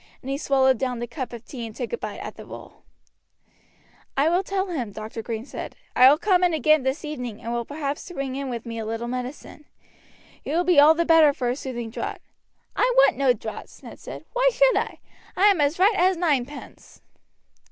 And he swallowed down the cup of tea and took a bite at the roll. "I will tell him," Dr. Green said. "I will come in again this evening, and will perhaps bring in with me a little medicine. You will be all the better for a soothing draught." "I want no draughts," Ned said. "Why should I? I am as right as ninepence."